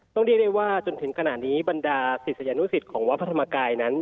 ต้องเรียกได้ว่าจนถึงขณะนี้บรรดาศิษยานุสิตของวัดพระธรรมกายนั้น